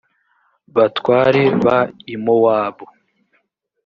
batware b i mowabu